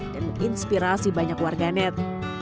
dan menginspirasi banyak warganet